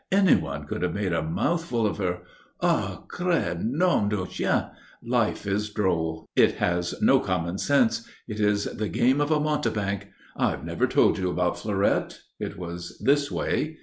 Anyone could have made a mouthful of her.... Ah! Cré nom d'un chien! Life is droll. It has no common sense. It is the game of a mountebank.... I've never told you about Fleurette. It was this way."